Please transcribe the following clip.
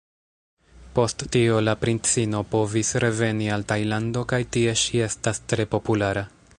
Post tio la princino povis reveni al Tajlando kaj tie ŝi estas tre populara.